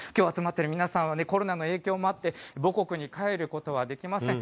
きょう集まっている皆さんは、コロナの影響もあって、母国に帰ることはできません。